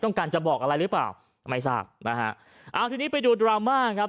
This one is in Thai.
ต้องการจะบอกอะไรหรือเปล่าไม่ทราบนะฮะเอาทีนี้ไปดูดราม่าครับ